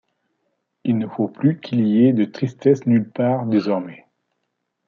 Il ne faut plus qu’il y ait de tristesse nulle part désormais.